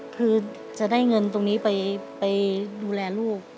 คือจะได้เงินตรงนี้ไปดูแลลูก